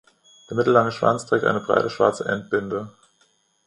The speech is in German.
Der mittellange Schwanz trägt eine breite schwarze Endbinde.